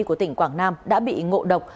của tỉnh quảng nam đã bị ngộ độc